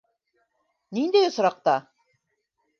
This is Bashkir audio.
Ниндәй осраҡта?